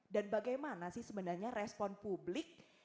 dan bagaimana sih sebenarnya respon publik